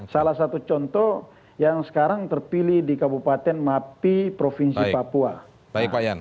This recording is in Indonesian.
salah satu contoh yang sekarang terpilih di kabupaten mapi provinsi papua